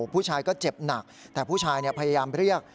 ผู้ชายก็เจ็บหนักแต่ผู้ชายพยายามเรียก